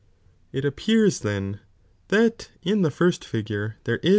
_..., It appears then, that in the first figure there ia